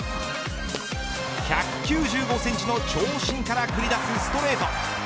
１９５センチの長身から繰り出すストレート。